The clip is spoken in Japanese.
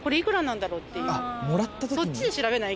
そっちで調べない？